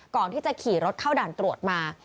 ก่อนที่จะขี่รถเข้าด่านตรวจมา